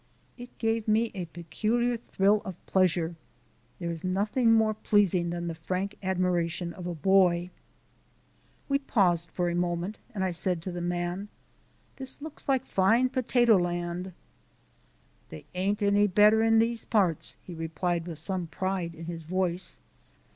It gave me a peculiar thrill of pleasure; there is nothing more pleasing than the frank admiration of a boy. We paused a moment and I said to the man: "This looks like fine potato land." "The' ain't any better in these parts," he replied with some pride in his voice.